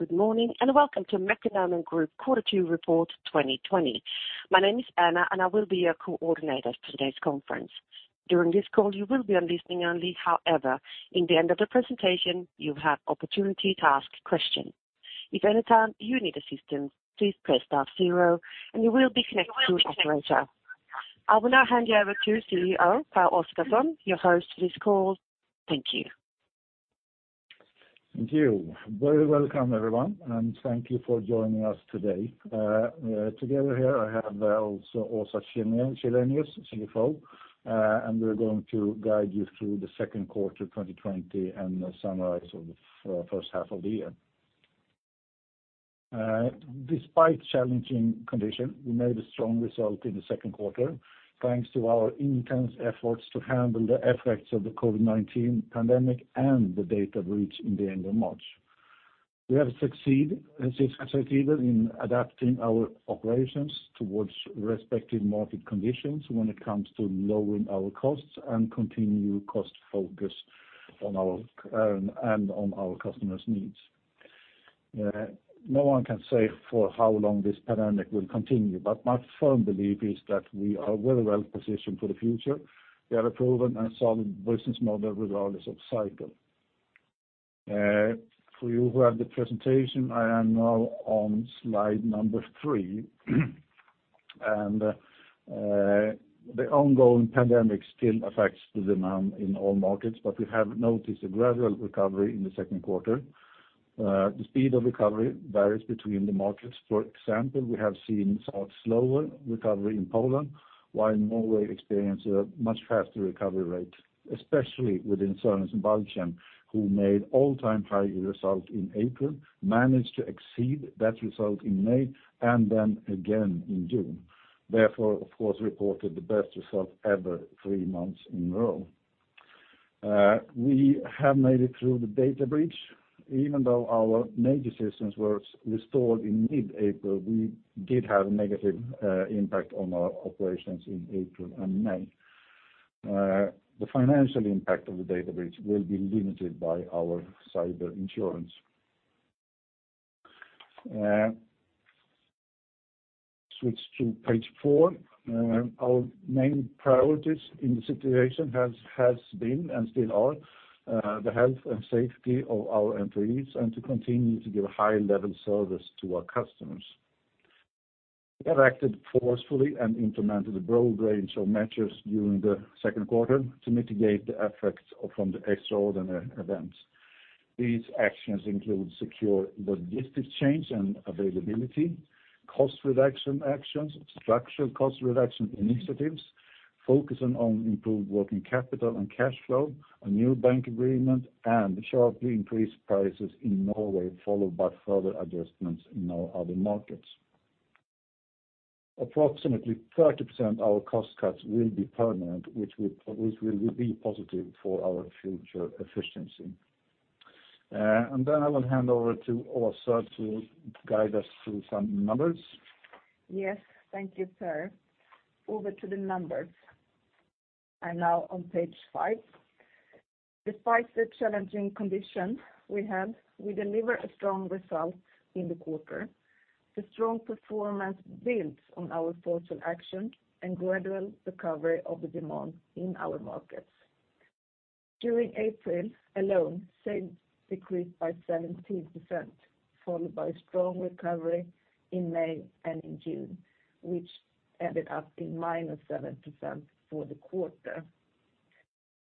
Good morning. Welcome to Mekonomen Group quarter two report 2020. My name is Anna and I will be your coordinator for today's conference. During this call, you will be on listening only. However, in the end of the presentation, you'll have opportunity to ask question. If any time you need assistance, please press star zero and you will be connected to an operator. I will now hand you over to CEO Pehr Oscarson, your host for this call. Thank you. Thank you. Very welcome, everyone, and thank you for joining us today. Together here I have also Åsa Källenius, CFO, and we're going to guide you through the second quarter 2020 and the summaries of the first half of the year. Despite challenging condition, we made a strong result in the second quarter thanks to our intense efforts to handle the effects of the COVID-19 pandemic and the data breach in the end of March. We have succeeded in adapting our operations towards respective market conditions when it comes to lowering our costs and continue cost focus and on our customers' needs. No one can say for how long this pandemic will continue. My firm belief is that we are very well-positioned for the future. We have a proven and solid business model regardless of cycle. For you who have the presentation, I am now on slide number three. The ongoing pandemic still affects the demand in all markets, but we have noticed a gradual recovery in the second quarter. The speed of recovery varies between the markets. For example, we have seen slower recovery in Poland, while Norway experienced a much faster recovery rate, especially within Sørensen og Balchen, who made all-time high result in April, managed to exceed that result in May and then again in June, therefore, of course reported the best result ever three months in a row. We have made it through the data breach. Even though our major systems were restored in mid-April, we did have a negative impact on our operations in April and May. The financial impact of the data breach will be limited by our cyber insurance. Switch to page four. Our main priorities in the situation has been and still are the health and safety of our employees and to continue to give a high level of service to our customers. We have acted forcefully and implemented a broad range of measures during the second quarter to mitigate the effects from the extraordinary events. These actions include secure logistics change and availability, cost reduction actions, structural cost reduction initiatives focusing on improved working capital and cash flow, a new bank agreement, and sharply increased prices in Norway, followed by further adjustments in our other markets. Approximately 30% our cost cuts will be permanent, which will be positive for our future efficiency. Then I will hand over to Åsa to guide us through some numbers. Yes. Thank you, Pehr. Over to the numbers, and now on page five. Despite the challenging condition we had, we deliver a strong result in the quarter. The strong performance builds on our forceful action and gradual recovery of the demand in our markets. During April alone, sales decreased by 17%, followed by strong recovery in May and in June, which ended up in -7% for the quarter.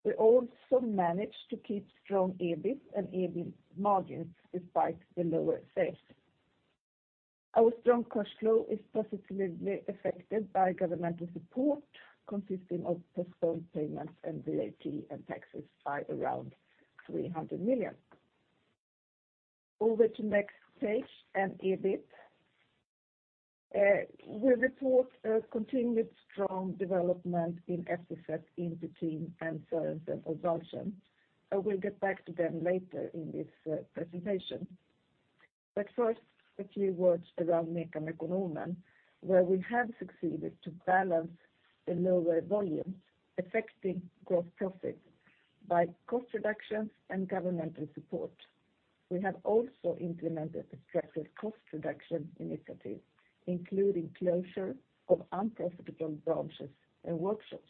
We also managed to keep strong EBIT and EBIT margins despite the lower sales. Our strong cash flow is positively affected by governmental support consisting of postponed payments and VAT and taxes by around 300 million. Over to next page and EBIT. We report a continued strong development in FTZ, Inter-Team, and Sørensen og Balchen. I will get back to them later in this presentation. First, a few words around Mekonomen, where we have succeeded to balance the lower volumes affecting gross profit by cost reductions and governmental support. We have also implemented a structured cost reduction initiative, including closure of unprofitable branches and workshops.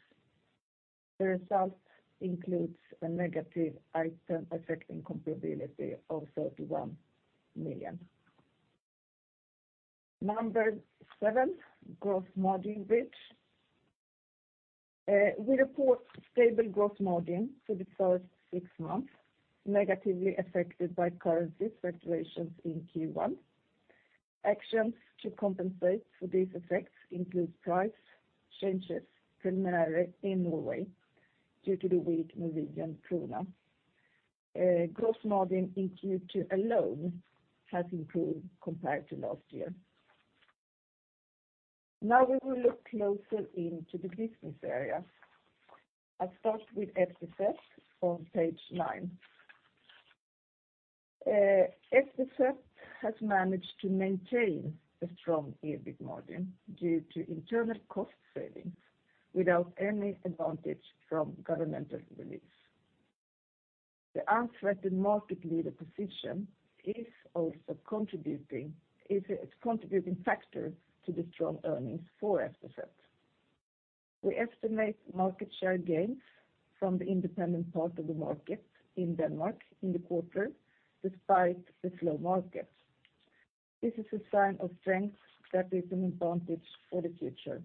The results includes a negative item affecting comparability of SEK 31 million. Number seven, gross margin bridge. We report stable gross margin for the first six months, negatively affected by currency fluctuations in Q1. Actions to compensate for these effects include price changes, primarily in Norway, due to the weak Norwegian krone. Gross margin in Q2 alone has improved compared to last year. We will look closer into the business area. I start with FDS on page nine. FDS has managed to maintain a strong EBIT margin due to internal cost savings without any advantage from governmental relief. The unfettered market leader position is a contributing factor to the strong earnings for after sales. We estimate market share gains from the independent part of the market in Denmark in the quarter, despite the slow market. This is a sign of strength that is an advantage for the future.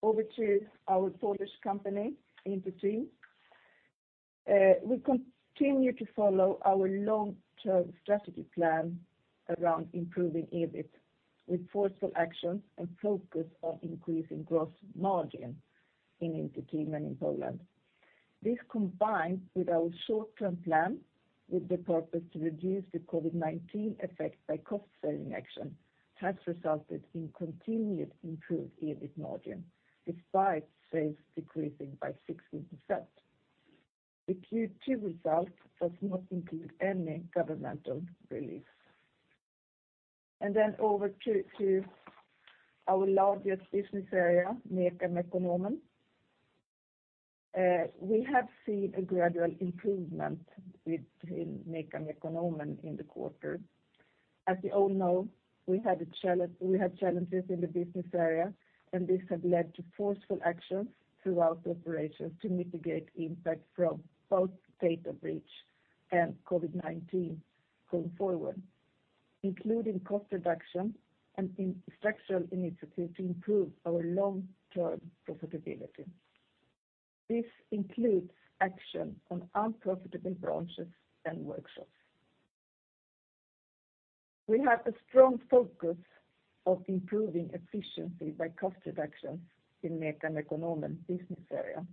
Over to our Polish company, Inter-Team. We continue to follow our long-term strategy plan around improving EBIT with forceful actions and focus on increasing gross margin in Inter-Team and in Poland. This combined with our short-term plan with the purpose to reduce the COVID-19 effect by cost-saving action, has resulted in continued improved EBIT margin, despite sales decreasing by 16%. The Q2 result does not include any governmental relief. Over to our largest business area, MECA, Mekonomen. We have seen a gradual improvement within MECA, Mekonomen in the quarter. As you all know, we had challenges in the business area, and this has led to forceful actions throughout operations to mitigate impact from both data breach and COVID-19 going forward, including cost reduction and structural initiatives to improve our long-term profitability. This includes action on unprofitable branches and workshops. We have a strong focus of improving efficiency by cost reduction in MECA, Mekonomen business area.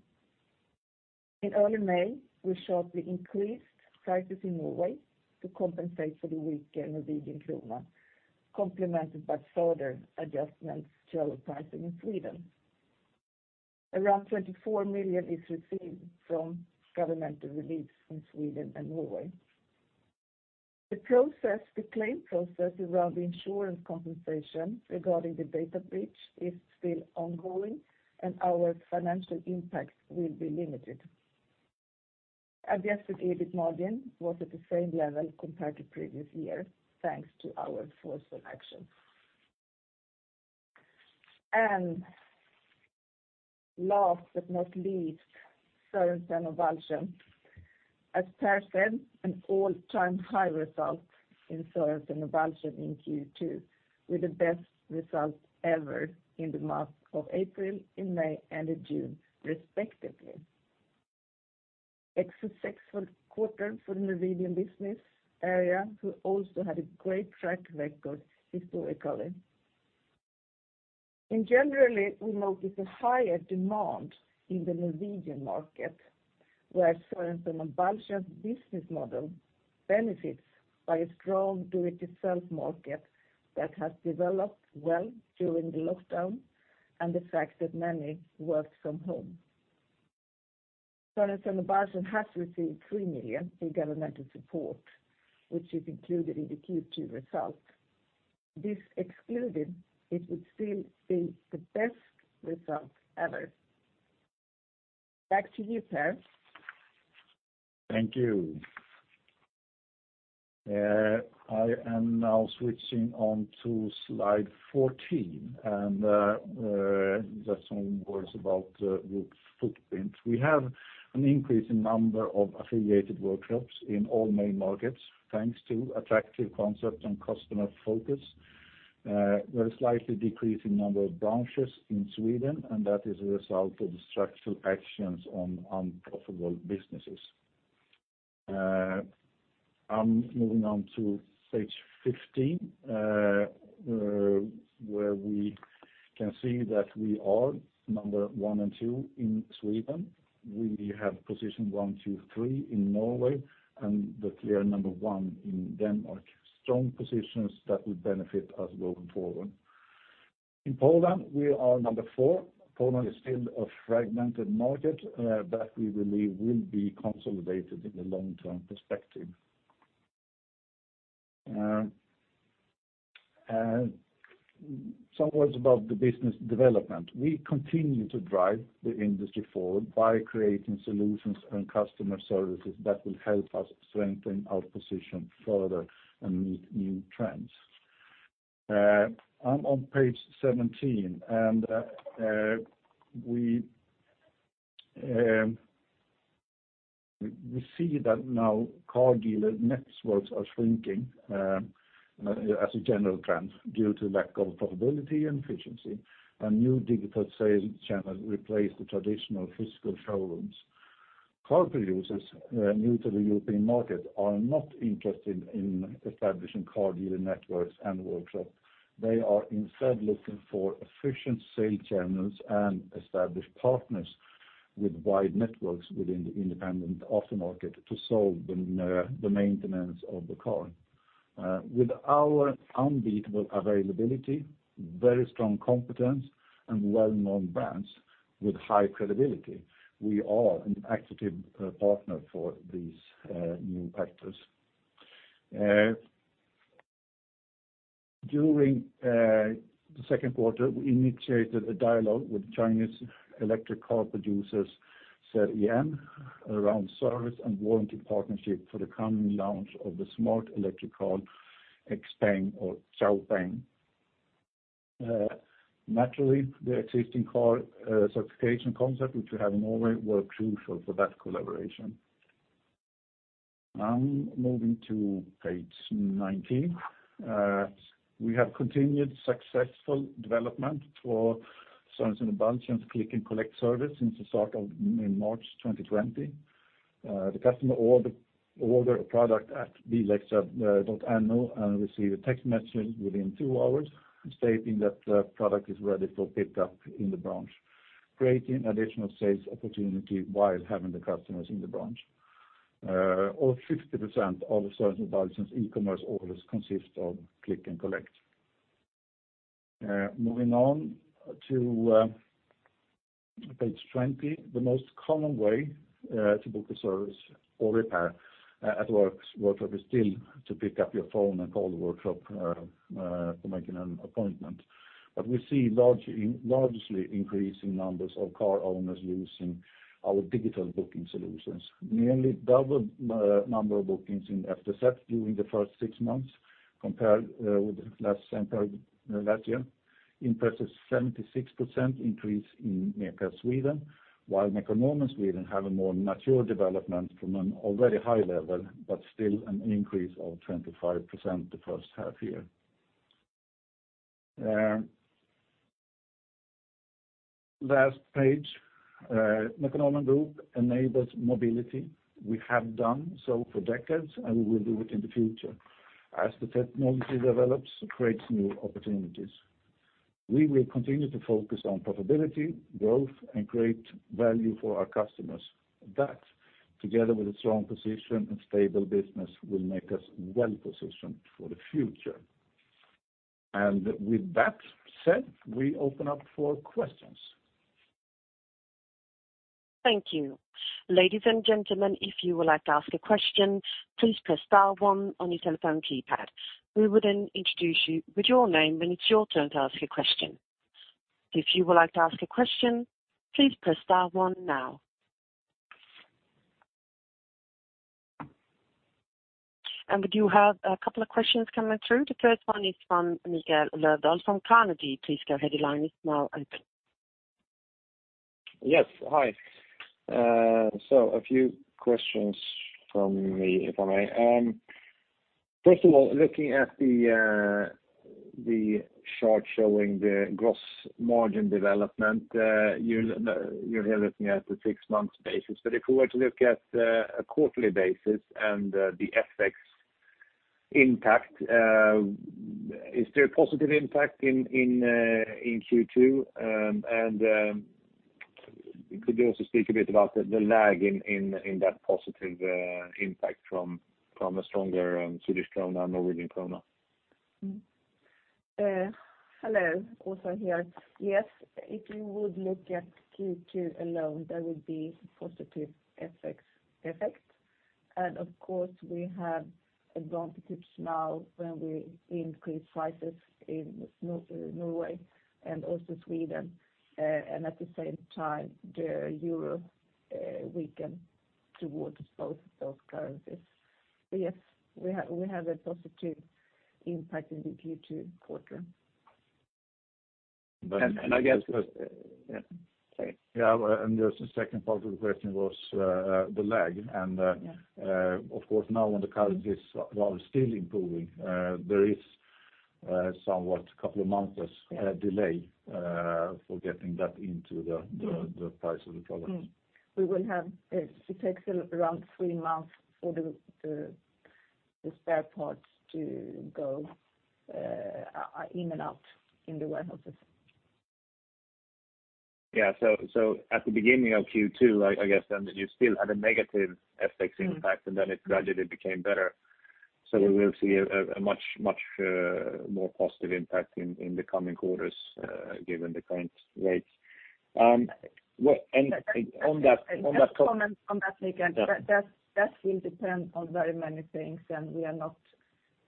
In early May, we sharply increased prices in Norway to compensate for the weaker Norwegian krone, complemented by further adjustments to our pricing in Sweden. Around 24 million is received from governmental relief in Sweden and Norway. The claim process around the insurance compensation regarding the data breach is still ongoing, and our financial impact will be limited. Adjusted EBIT margin was at the same level compared to previous year, thanks to our forceful action. Last but not least, Sørensen og Balchen. As Pehr said, an all-time high result in Sørensen & Balchen in Q2, with the best result ever in the month of April, in May, and in June respectively. A successful quarter for the Norwegian business area, who also had a great track record historically. In generally, we notice a higher demand in the Norwegian market, where Sørensen & Balchen business model benefits by a strong do-it-yourself market that has developed well during the lockdown, and the fact that many worked from home. Sørensen & Balchen has received 3 million in governmental support, which is included in the Q2 result. This excluded, it would still be the best result ever. Back to you, Pehr. Thank you. I am now switching on to slide 14, just some words about the group footprint. We have an increase in number of affiliated workshops in all main markets, thanks to attractive concept and customer focus. We are slightly decreasing number of branches in Sweden, that is a result of the structural actions on unprofitable businesses. I'm moving on to page 15, where we can see that we are number one and two in Sweden. We have position one, two, three in Norway, the clear number one in Denmark. Strong positions that will benefit us going forward. In Poland, we are number four. Poland is still a fragmented market that we believe will be consolidated in the long-term perspective. Some words about the business development. We continue to drive the industry forward by creating solutions and customer services that will help us strengthen our position further and meet new trends. I'm on page 17, and we see that now car dealer networks are shrinking as a general trend due to lack of profitability and efficiency, and new digital sales channels replace the traditional physical showrooms. Car producers new to the European market are not interested in establishing car dealer networks and workshops. They are instead looking for efficient sales channels and established partners with wide networks within the independent aftermarket to solve the maintenance of the car. With our unbeatable availability, very strong competence, and well-known brands with high credibility, we are an attractive partner for these new actors. During the second quarter, we initiated a dialogue with Chinese electric car producers, Seres and around service and warranty partnership for the coming launch of the smart electric car, XPeng or Xiaopeng. Naturally, the existing car certification concept, which we have in Norway, were crucial for that collaboration. Moving to page 19. We have continued successful development for Sørensen og Balchen Click and Collect service since the start of March 2020. The customer order a product at bilXtra.no and receive a text message within two hours stating that the product is ready for pickup in the branch, creating additional sales opportunity while having the customers in the branch. Over 50% of Sørensen og Balchen e-commerce orders consist of Click and Collect. Moving on to page 20. The most common way to book a service or repair at workshop is still to pick up your phone and call the workshop for making an appointment. We see largely increasing numbers of car owners using our digital booking solutions. Nearly double number of bookings in FDCEP during the first six months compared with last year. Impressive 76% increase in MECA Sweden, while MECA Norway Sweden have a more natural development from an already high level, but still an increase of 25% the first half year. Last page. Mekonomen Group enables mobility. We have done so for decades, and we will do it in the future. As the technology develops, it creates new opportunities. We will continue to focus on profitability, growth, and create value for our customers. That, together with a strong position and stable business, will make us well-positioned for the future. With that said, we open up for questions. Thank you. Ladies and gentlemen, if you would like to ask a question, please press star one on your telephone keypad. We will then introduce you with your name when it's your turn to ask a question. If you would like to ask a question, please press star one now. We do have a couple of questions coming through. The first one is from Niklas Lyrhem from Carnegie. Please go ahead. Your line is now open. Yes. Hi. A few questions from me, if I may. First of all, looking at the chart showing the gross margin development, you're here looking at the six months basis. If we were to look at a quarterly basis and the FX impact, is there a positive impact in Q2? Could you also speak a bit about the lag in that positive impact from a stronger Swedish krona, Norwegian krona? Hello. Åsa here. Yes, if you would look at Q2 alone, there would be positive FX effect. Of course, we have a bonus tips now when we increase prices in Norway and also Sweden. At the same time, the Euro weaken towards both those currencies. Yes, we have a positive impact in the Q2 quarter. And I guess- Yeah. The second part of the question was the lag. Of course, now when the currency is while still improving, there is somewhat a couple of months delay for getting that into the price of the products. It takes around three months for the spare parts to go in and out in the warehouses. Yeah. At the beginning of Q2, I guess then you still had a negative FX impact, and then it gradually became better. We will see a much more positive impact in the coming quarters given the current rates. Just to comment on that, Niklas. Yeah. That will depend on very many things, and we are not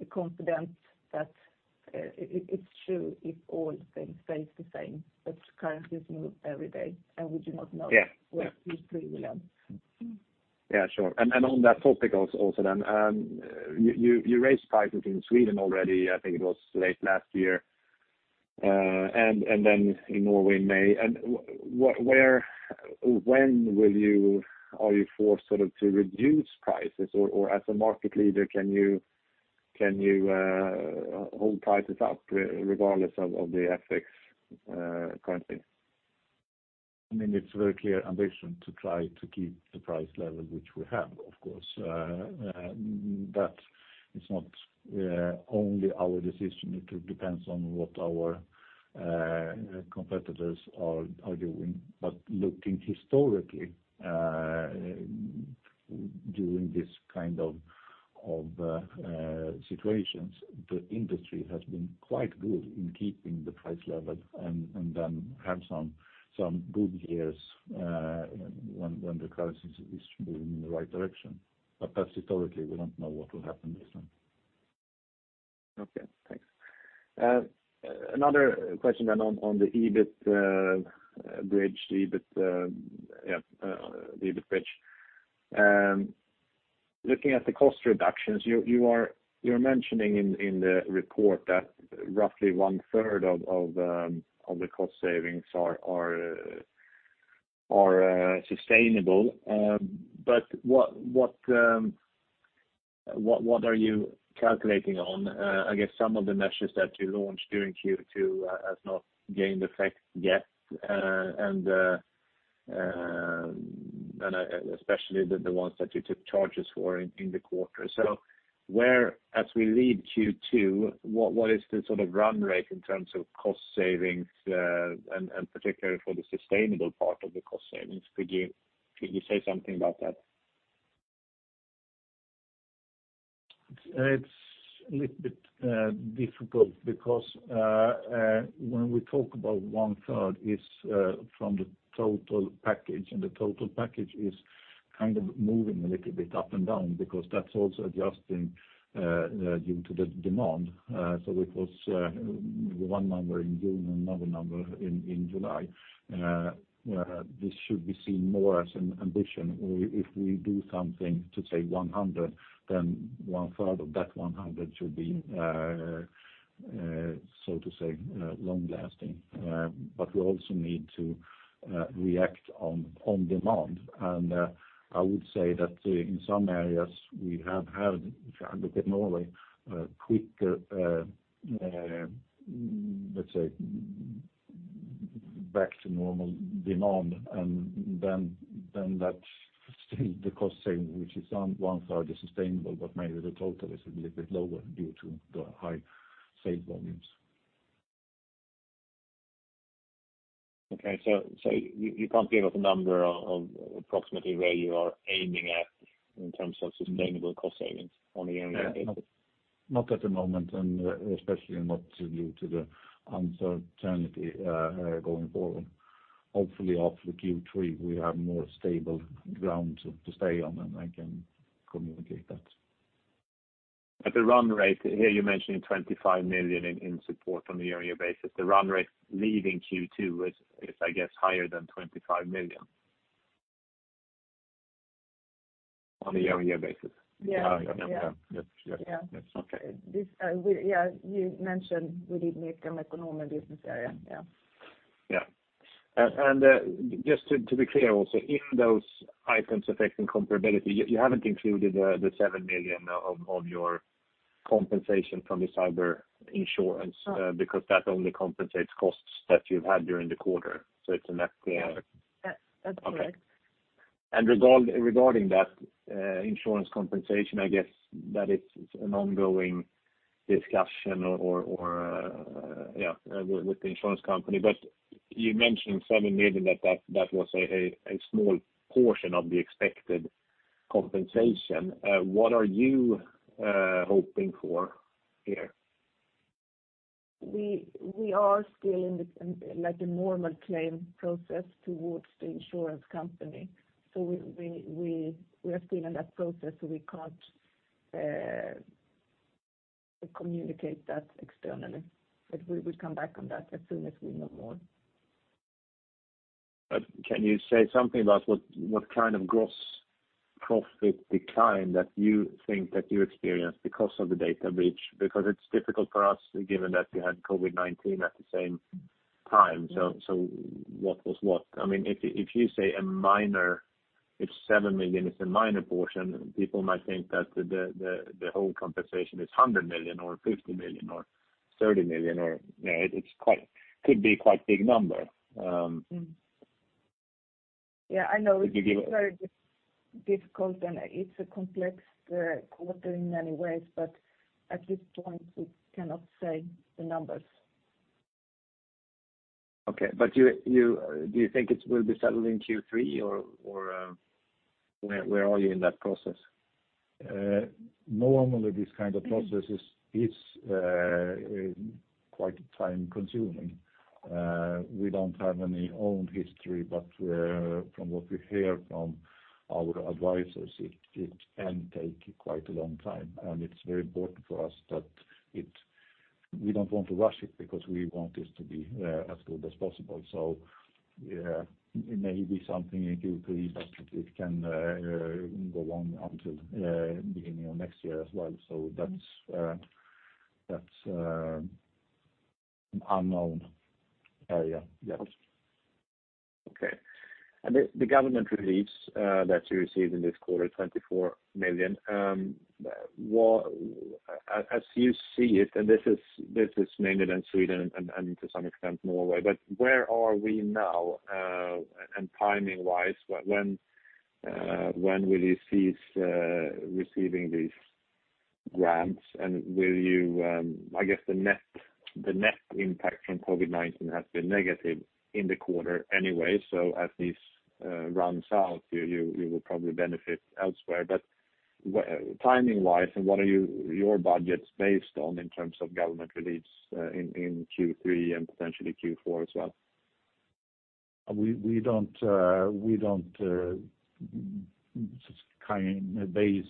confident that it's true if all things stay the same, but currencies move every day. Where Q3 will end. Yeah, sure. On that topic also, you raised prices in Sweden already, I think it was late last year, and in Norway in May. When are you forced to reduce prices? As a market leader, can you hold prices up regardless of the FX currency? It's a very clear ambition to try to keep the price level which we have, of course. That is not only our decision, it depends on what our competitors are doing. Looking historically during this kind of situations, the industry has been quite good in keeping the price level and then have some good years when the currency is moving in the right direction. That's historically. We don't know what will happen this time. Okay, thanks. Another question on the EBIT bridge. Looking at the cost reductions, you are mentioning in the report that roughly one-third of the cost savings are sustainable. What are you calculating on? I guess some of the measures that you launched during Q2 have not gained effect yet, and especially the ones that you took charges for in the quarter. As we leave Q2, what is the run rate in terms of cost savings, and particularly for the sustainable part of the cost savings? Could you say something about that? It's a little bit difficult because when we talk about one-third, it's from the total package, and the total package is moving a little bit up and down because that's also adjusting due to the demand. It was one number in June and another number in July. This should be seen more as an ambition. If we do something to say 100, then one-third of that 100 should be, so to say, long-lasting. We also need to react on demand. I would say that in some areas we have had, if you have a look at Norway, quicker let's say back to normal demand and then that's still the cost saving, which is on one-third is sustainable, but maybe the total is a little bit lower due to the high save volumes. Okay. You can't give us a number of approximately where you are aiming at in terms of sustainable cost savings on a yearly basis? Not at the moment, and especially not due to the uncertainty going forward. Hopefully after Q3, we have more stable ground to stay on, and I can communicate that. At the run rate, here you're mentioning 25 million in support on a yearly basis. The run rate leaving Q2 is, I guess, higher than 25 million on a year-on-year basis. Yeah. Yeah. Okay. You mentioned we did MECA and Mekonomen business area. Yeah. Yeah. Just to be clear also, in those items affecting comparability, you haven't included the 7 million of your compensation from the cyber insurance because that only compensates costs that you've had during the quarter. It's a net. Yeah. That's correct. Okay. Regarding that insurance compensation, I guess that it's an ongoing discussion or, yeah, with the insurance company. You mentioned 7 million, that was a small portion of the expected compensation. What are you hoping for here? We are still in the normal claim process towards the insurance company. We are still in that process, so we can't communicate that externally. We will come back on that as soon as we know more. Can you say something about what kind of gross profit decline that you think that you experienced because of the data breach? It's difficult for us given that you had COVID-19 at the same time. What was what? If 7 million is a minor portion, people might think that the whole compensation is 100 million or 50 million or 30 million or it could be a quite big number. Yeah, I know it's very difficult, and it's a complex quarter in many ways, but at this point, we cannot say the numbers. Okay. Do you think it will be settled in Q3 or where are you in that process? Normally, this kind of processes is quite time-consuming. We don't have any own history, but from what we hear from our advisors, it can take quite a long time. It's very important for us that we don't want to rush it because we want this to be as good as possible. Yeah, it may be something in Q3, but it can go on until beginning of next year as well. That's an unknown area. Yeah. Okay. The government reliefs that you received in this quarter, 24 million. As you see it, and this is mainly in Sweden and to some extent Norway, but where are we now? Timing-wise, when will you cease receiving these grants? I guess the net impact from COVID-19 has been negative in the quarter anyway. As this runs out, you will probably benefit elsewhere. Timing-wise, and what are your budgets based on in terms of government reliefs in Q3 and potentially Q4 as well? We don't base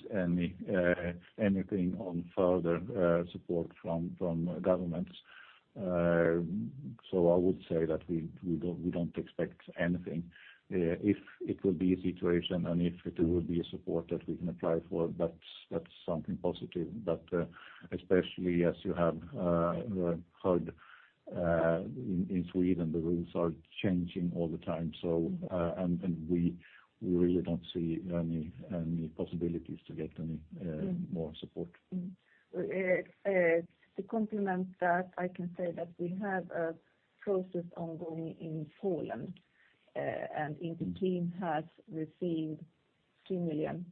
anything on further support from governments. I would say that we don't expect anything. If it will be a situation and if it will be a support that we can apply for, that's something positive. Especially as you have heard, in Sweden, the rules are changing all the time. We really don't see any possibilities to get any more support. To complement that, I can say that we have a process ongoing in Poland. Inter-Team has received 2 million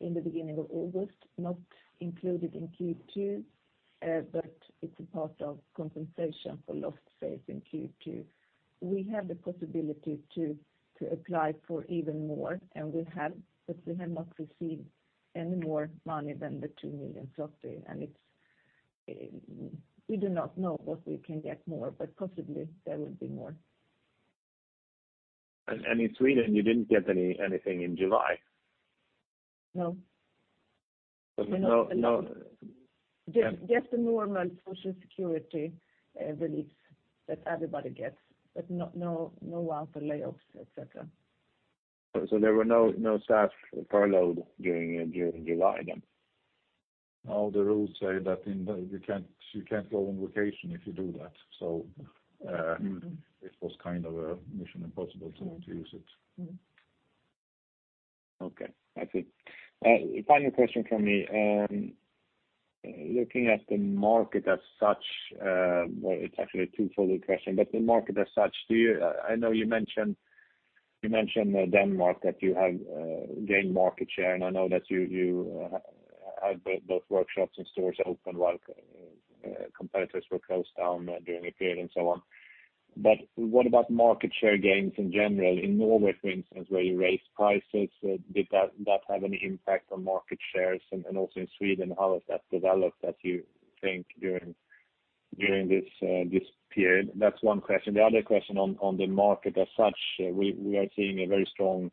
in the beginning of August, not included in Q2. It's a part of compensation for lost sales in Q2. We have the possibility to apply for even more. We have not received any more money than the 2 million. We do not know if we can get more. Possibly there will be more. In Sweden, you didn't get anything in July? No. So no. Just the normal social security relief that everybody gets, but no one for layoffs, etc. There were no staff furloughed during July then? All the rules say that you can't go on vacation if you do that. It was kind of a mission impossible to use it. Okay, that's it. Final question from me. Looking at the market as such, well, it's actually a two-fold question. The market as such, I know you mentioned Denmark, that you have gained market share, and I know that you have both workshops and stores open while competitors were closed down during the period and so on. What about market share gains in general? In Norway, for instance, where you raised prices, did that have any impact on market shares? Also in Sweden, how has that developed as you think during this period? That's one question. The other question on the market as such, we are seeing a very strong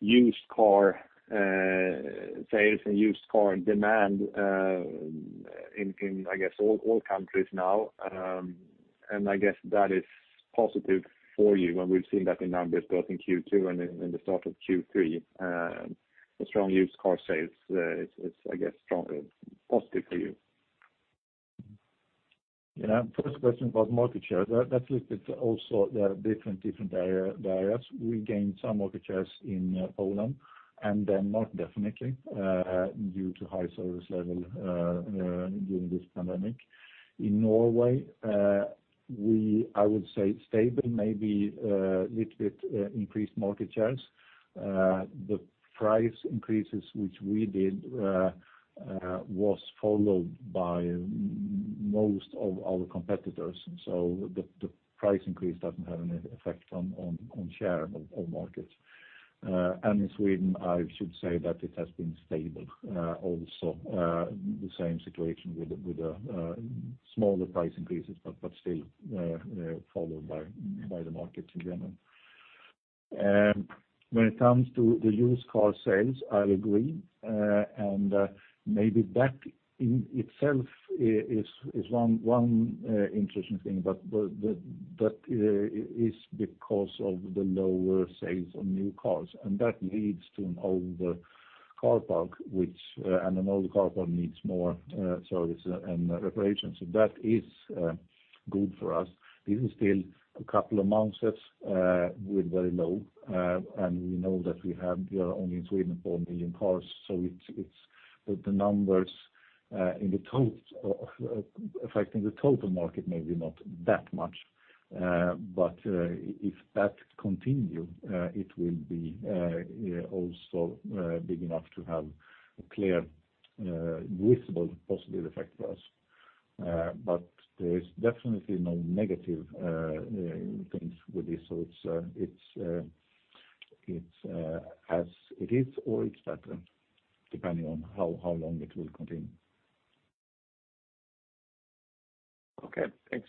used car sales and used car demand in, I guess, all countries now. I guess that is positive for you, and we've seen that in numbers both in Q2 and in the start of Q3. The strong used car sales, it's, I guess, positive for you. First question about market share. That's a little bit also different areas. We gained some market shares in Poland and Denmark definitely due to high service level during this pandemic. In Norway, I would say stable, maybe a little bit increased market shares. The price increases which we did was followed by most of our competitors. The price increase doesn't have any effect on share of market. In Sweden, I should say that it has been stable, also the same situation with the smaller price increases, but still followed by the market in general. When it comes to the used car sales, I agree. Maybe that in itself is one interesting thing, but that is because of the lower sales on new cars, and that leads to an older car park. An older car park needs more service and reparations. That is good for us. This is still a couple of months with very low, and we know that we have here only in Sweden 4 million cars. The numbers affecting the total market, maybe not that much. If that continue, it will be also big enough to have a clear, visible positive effect for us. There is definitely no negative things with this. It's as it is or it's better, depending on how long it will continue. Okay, thanks.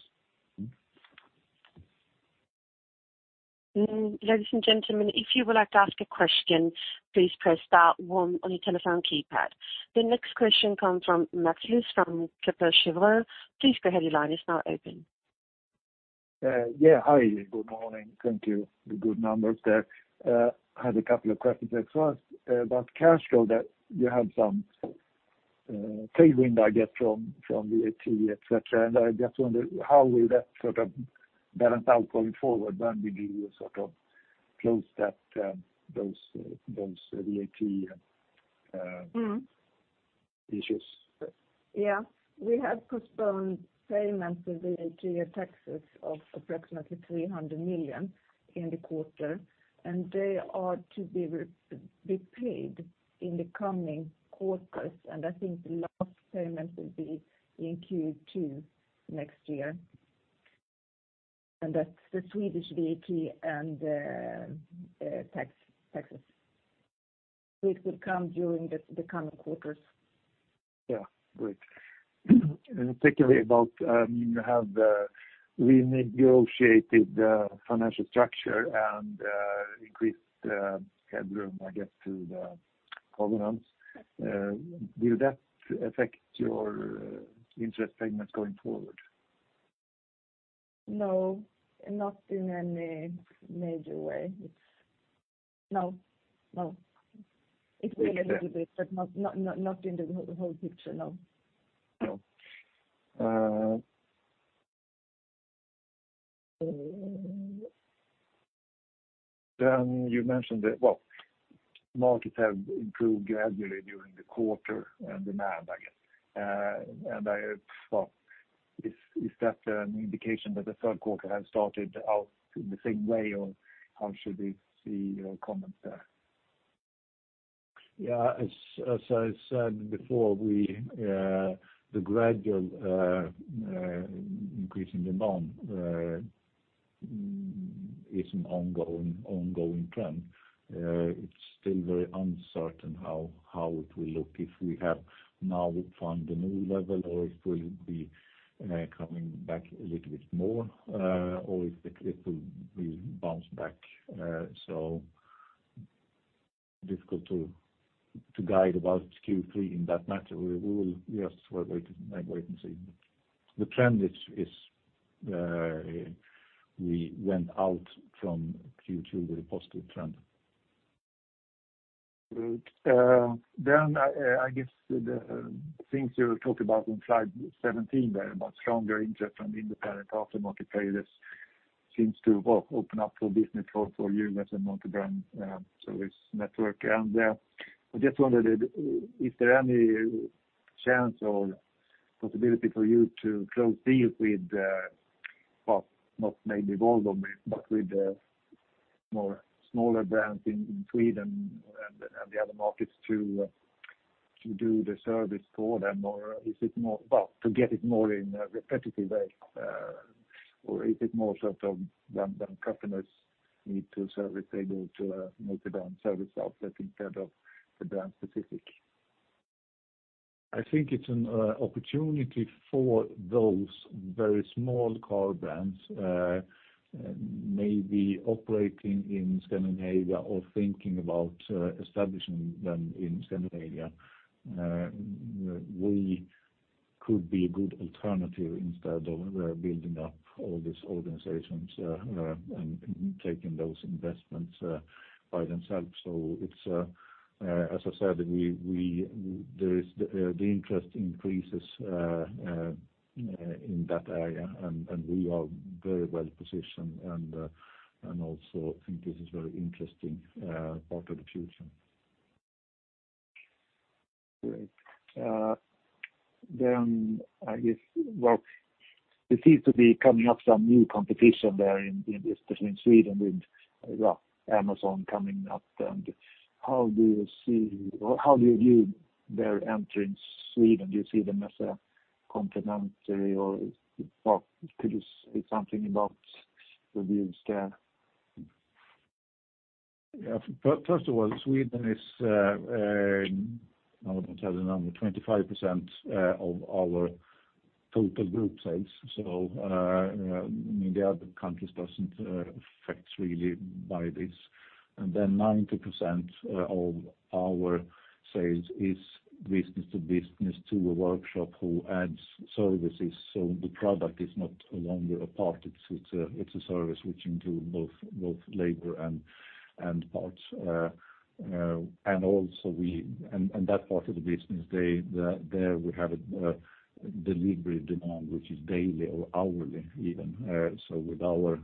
Ladies and gentlemen, if you would like to ask a question, please press star one on your telephone keypad. The next question comes from Mats Liss from Kepler Cheuvreux. Please go ahead, your line is now open. Yeah, hi. Good morning. Thank you. Good numbers there. I had a couple of questions. I was about cash flow that you had some tailwind, I guess, from VAT, et cetera, and I just wonder how will that sort of balance out going forward when we do sort of close those VAT issues? Yeah. We have postponed payment of VAT taxes of approximately 300 million in the quarter. They are to be paid in the coming quarters. I think the last payment will be in Q2 next year. That's the Swedish VAT and taxes. It will come during the coming quarters. Yeah. Great. Particularly about how the renegotiated financial structure and increased headroom, I guess, to the governance, will that affect your interest segment going forward? No, not in any major way. No. It will a little bit, but not in the whole picture, no. No. You mentioned that, well, markets have improved gradually during the quarter and demand, I guess. I hope so. Is that an indication that the third quarter has started out the same way, or how should we see your comments there? As I said before, the gradual increase in demand is an ongoing trend. It's still very uncertain how it will look if we have now found a new level or it will be coming back a little bit more or if it will bounce back. Difficult to guide about Q3 in that matter. We will just wait and see. The trend is we went out from Q2 with a positive trend. Great. I guess the things you talked about on slide 17 there about stronger interest from independent aftermarket players seems to, well, open up for business both for you as a multi-brand service network. I just wondered, is there any chance or possibility for you to close deals with, not maybe Volvo, but with the more smaller brands in Sweden and the other markets to do the service for them or to get it more in a repetitive way? Is it more sort of when customers need to service, they go to a multi-brand service outlet instead of the brand specifically? I think it's an opportunity for those very small car brands, maybe operating in Scandinavia or thinking about establishing them in Scandinavia. We could be a good alternative instead of building up all these organizations and taking those investments by themselves. As I said, the interest increases in that area, and we are very well-positioned and also think this is very interesting part of the future. Great. It seems to be coming up some new competition there, especially in Sweden with Amazon coming up. How do you view their entry in Sweden? Do you see them as a complementary or could you say something about the views there? First of all, Sweden is, I don't have the number, 25% of our total group sales. The other countries don't affect really by this. 90% of our sales is business to business to a workshop who adds services. The product is no longer a part, it is a service which includes both labor and parts. That part of the business, there we have a delivery demand which is daily or hourly even. With our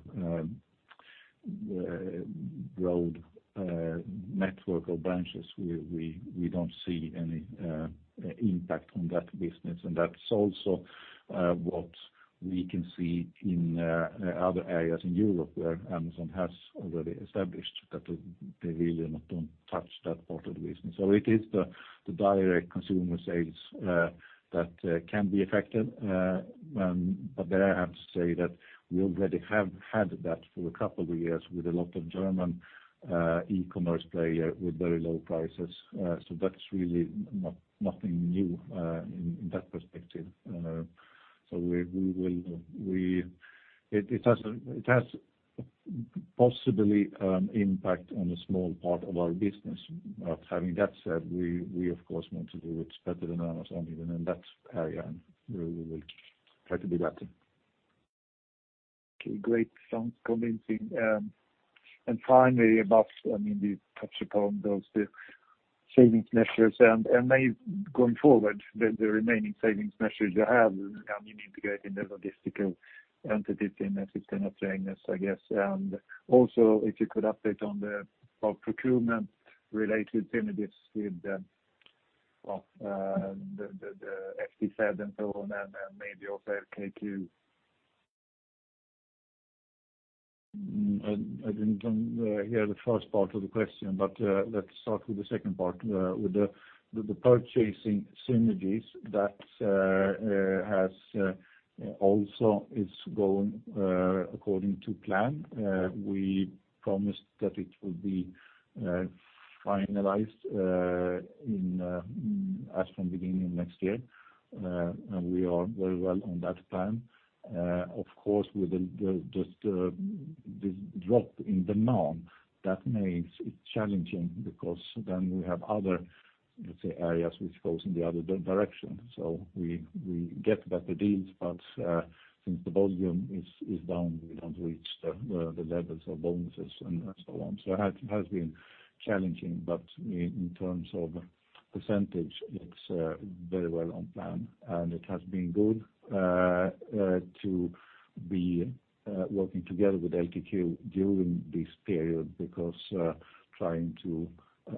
road network or branches, we don't see any impact on that business. That is also what we can see in other areas in Europe where Amazon has already established that they really don't touch that part of the business. It is the direct consumer sales that can be affected, but there I have to say that we already have had that for a couple of years with a lot of German e-commerce player with very low prices. That's really nothing new in that perspective. It has possibly impact on a small part of our business. Having that said, we of course want to do it better than Amazon even in that area, and we will try to be better. Okay, great. Sounds convincing. Finally, you touched upon those savings measures and maybe going forward with the remaining savings measures you have, I mean, integrating the logistical entities in that is then affecting us, I guess. Also if you could update on the procurement-related initiatives with the FTZ and so on and then maybe also LKQ. I didn't hear the first part of the question. Let's start with the second part. With the purchasing synergies, that also is going according to plan. We promised that it would be finalized as from beginning next year. We are very well on that plan. Of course, with this drop in demand, that makes it challenging because then we have other, let's say, areas which goes in the other direction. We get better deals, but since the volume is down, we don't reach the levels of bonuses and so on. It has been challenging, but in terms of percentage, it's very well on plan and it has been good to be working together with LKQ during this period because trying to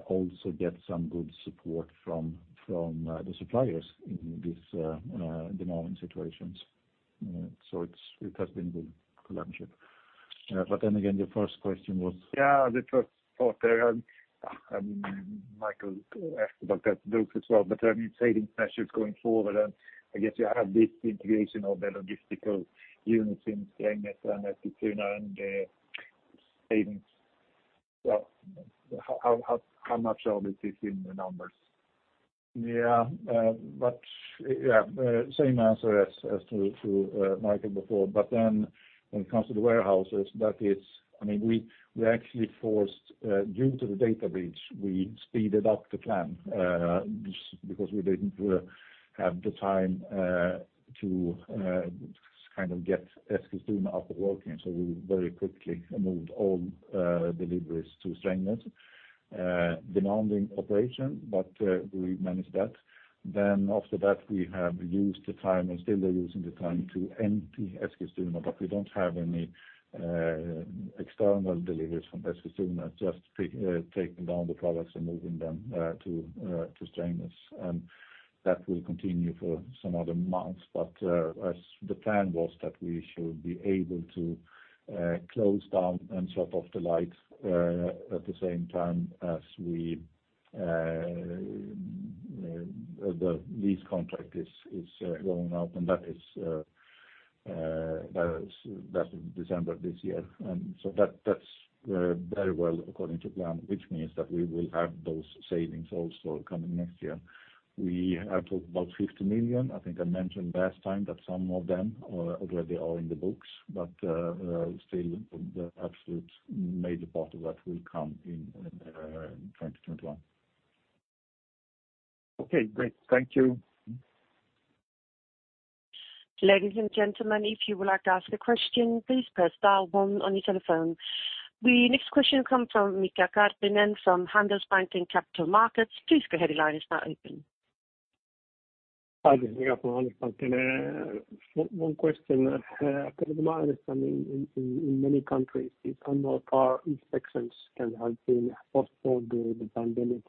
also get some good support from the suppliers in these demanding situations. It has been good partnership. Again, your first question was? Yeah, the first part there, Michael asked about that too as well, in savings measures going forward, I guess you have this integration of the logistical units in Strängnäs and Eskilstuna and the savings. How much are these in the numbers? Yeah. Same answer as to Michael before. When it comes to the warehouses, we are actually forced, due to the data breach, we speeded up the plan, because we didn't have the time to get Eskilstuna up working. We very quickly moved all deliveries to Strängnäs. Demanding operation, but we managed that. After that, we have used the time and still are using the time to empty Eskilstuna, but we don't have any external deliveries from Eskilstuna, just taking down the products and moving them to Strängnäs. That will continue for some other months. The plan was that we should be able to close down and shut off the lights at the same time as the lease contract is going up, and that's in December this year. That's very well according to plan, which means that we will have those savings also coming next year. We have talked about 50 million. I think I mentioned last time that some of them already are in the books, but still the absolute major part of that will come in 2021. Okay, great. Thank you. The next question comes from Mika Karppinen from Handelsbanken Capital Markets. Please go ahead, your line is now open. Hi, this is Mika from Handelsbanken. One question. From my understanding, in many countries these annual car inspections can have been postponed during the pandemic.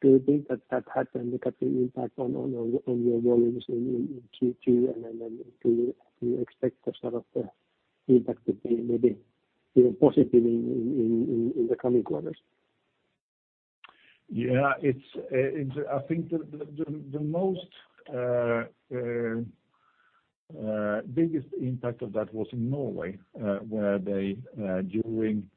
Do you think that had any impact on your volumes in Q2? Do you expect the sort of the impact to be maybe even positive in the coming quarters? Yeah. I think the most biggest impact of that was in Norway, where they during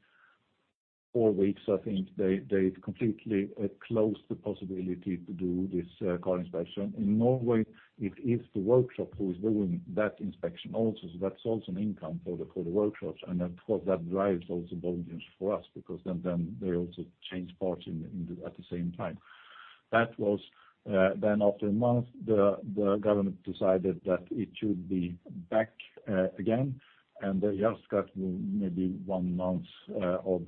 four weeks, I think they completely closed the possibility to do this car inspection. In Norway, it is the workshop who is doing that inspection also, so that's also an income for the workshops and of course, that drives also volumes for us because then they also change parts at the same time. After a month, the government decided that it should be back again and they just got maybe one month of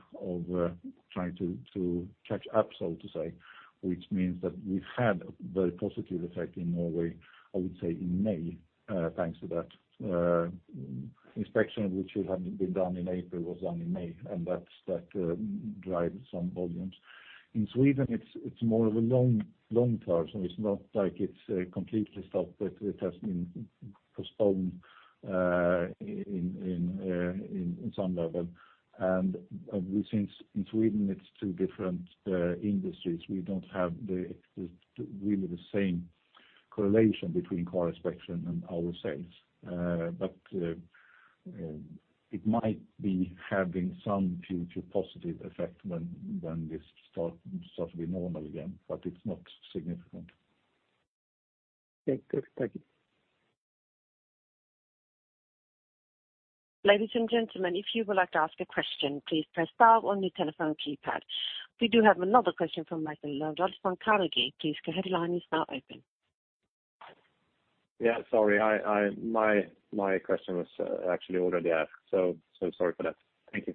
trying to catch up, so to say, which means that we've had a very positive effect in Norway, I would say in May, thanks to that inspection which should have been done in April, was done in May and that drives some volumes. In Sweden, it's more of a long term. It's not like it's completely stopped, but it has been postponed in some level. Since in Sweden it's two different industries, we don't have really the same correlation between car inspection and our sales. It might be having some future positive effect when this starts to be normal again, but it's not significant. Okay, good. Thank you. We do have another question from Michael Lundblad from Carnegie. Please go ahead, your line is now open. Yeah. Sorry. My question was actually already asked. Sorry for that. Thank you.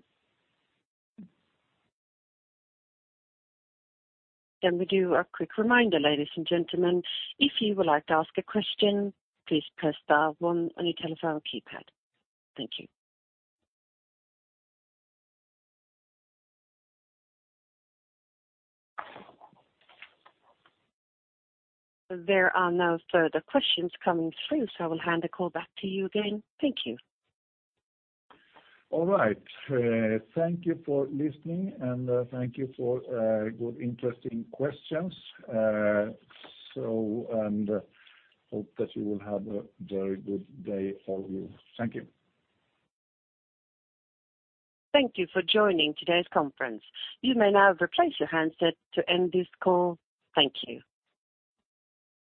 We do a quick reminder, ladies and gentlemen, if you would like to ask a question, please press star one on your telephone keypad. Thank you. There are no further questions coming through, I will hand the call back to you again. Thank you. All right. Thank you for listening and thank you for good interesting questions. Hope that you will have a very good day all of you. Thank you. Thank you for joining today's conference. You may now replace your handset to end this call. Thank you.